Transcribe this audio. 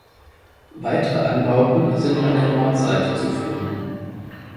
Weitere Anbauten sind an der Nordseite zu finden.